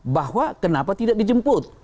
bahwa kenapa tidak dijemput